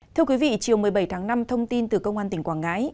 thưa quý vị chiều một mươi bảy tháng năm thông tin từ công an tỉnh quảng ngãi